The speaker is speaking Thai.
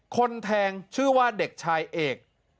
คนแทงชื่อว่าเด็กชายเอก